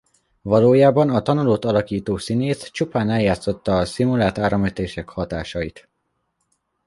Valójában a tanulót alakító színész csupán eljátszotta a szimulált áramütések hatásait.